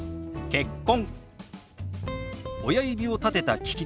「結婚」。